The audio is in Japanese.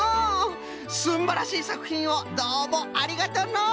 すんばらしいさくひんをどうもありがとうのう。